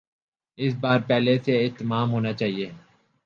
اس بار پہلے سے اہتمام ہونا چاہیے۔